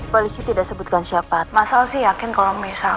polisi tidak sebutkan siapa masalah sih yakin kalau misalkan